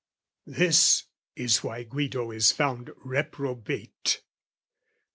This is why Guido is found reprobate.